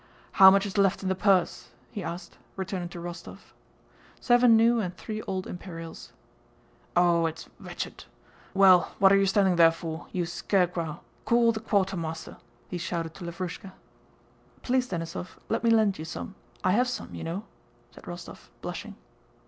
"How much is left in the puhse?" he asked, turning to Rostóv. "Seven new and three old imperials." "Oh, it's wetched! Well, what are you standing there for, you sca'cwow? Call the quahtehmasteh," he shouted to Lavrúshka. "Please, Denísov, let me lend you some: I have some, you know," said Rostóv, blushing.